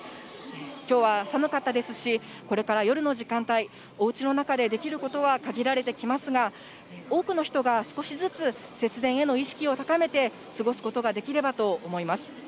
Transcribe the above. きょうは寒かったですし、これから夜の時間帯、おうちの中でできることは限られてきますが、多くの人が少しずつ節電への意識を高めて過ごすことができればと思います。